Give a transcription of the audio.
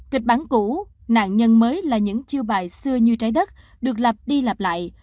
kịch bản cũ nạn nhân mới là những chiêu bài xưa như trái đất được lập đi lặp lại